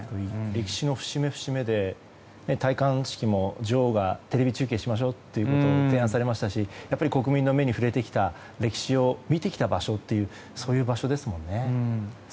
歴史の節目節目で戴冠式も女王がテレビ中継しましょうと提案しましたしやはり国民の目に触れてきた歴史を見てきた場所というそうですね。